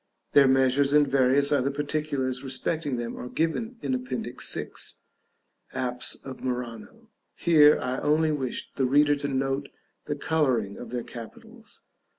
Their measures and various other particulars respecting them are given in Appendix 6. "Apse of Murano;" here I only wish the reader to note the coloring of their capitals.